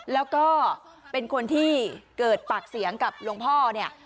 แล้วก็เป็นคนที่เกิดปากเสียงกับหลวงพ่อเนี่ย